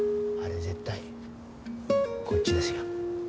あれ絶対こっちですよ。